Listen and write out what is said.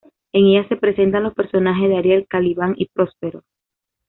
En ella se presentan los personajes de Ariel, Calibán y Próspero.